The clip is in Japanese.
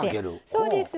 そうです。